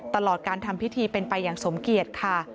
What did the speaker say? ตลอดการทำพิธีเป็นไปอย่างสมเกียจค่ะ